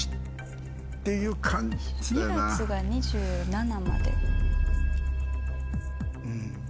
２月が２７まで。